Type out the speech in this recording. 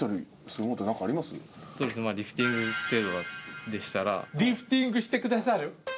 そうですねリフティング程度でしたらリフティングしてくださる？